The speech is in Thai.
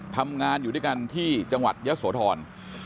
ทำงานอยู่ด้วยกันที่จังหวัดยะโสธร